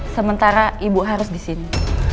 sementara ibu harus di sini